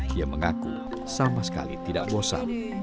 dia mengaku sama sekali tidak bosan